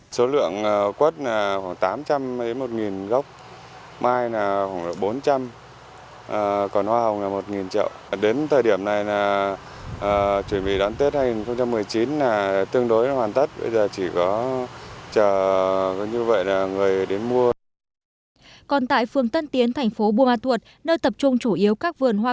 số lượng quất là khoảng tám trăm linh một nghìn gốc mai là khoảng bốn trăm linh còn hoa hồng là một nghìn triệu đến thời điểm này chuẩn bị đón tết hai nghìn một mươi chín là tương đối hoàn tất bây giờ chỉ có chờ như vậy là người đến mua